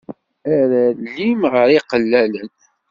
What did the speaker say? Err alim gar iqellalen.